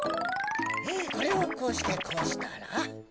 これをこうしてこうしたら。